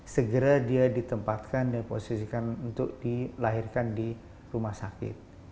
segera dia ditempatkan dan diposisikan untuk dilahirkan di rumah sakit